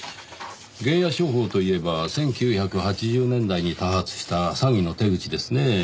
原野商法といえば１９８０年代に多発した詐欺の手口ですねぇ。